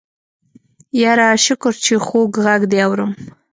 يره شکر چې خوږ غږ دې اورم.